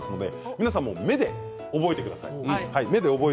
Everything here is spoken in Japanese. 皆さん、目で覚えてください。